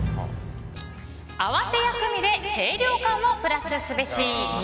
合わせ薬味で清涼感をプラスすべし。